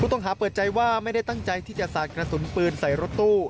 ต้องหาเปิดใจว่าไม่ได้ตั้งใจที่จะสาดกระสุนปืนใส่รถตู้